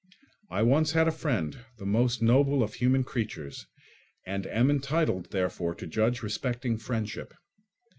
I once had a friend, the most noble of human creatures, and am entitled, therefore, to judge respecting friendship.